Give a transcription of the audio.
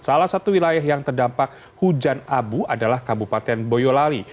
salah satu wilayah yang terdampak hujan abu adalah kabupaten boyolali